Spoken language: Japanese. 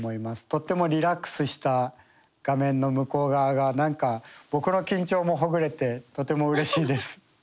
とってもリラックスした画面の向こう側が何か僕の緊張もほぐれてとてもうれしいです。